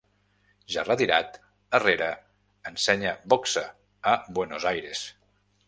Ja retirat, Herrera ensenya boxa a Buenos Aires.